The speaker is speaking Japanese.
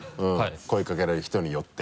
声かけられる人によって。